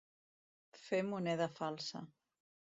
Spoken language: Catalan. Fer moneda falsa.